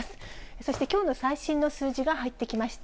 そしてきょうの最新の数字が入ってきました。